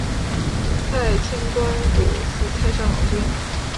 太清观主祀太上老君。